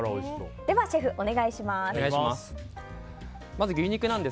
ではシェフ、お願いします。